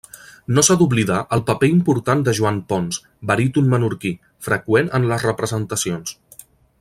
No s'ha d'oblidar el paper important de Joan Pons, baríton menorquí, freqüent en les representacions.